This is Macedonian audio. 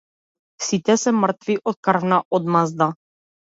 Сите се мртви од крвна одмазда.